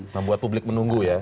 membuat publik menunggu ya